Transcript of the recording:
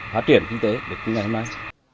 phát triển kinh tế để như ngày hôm nay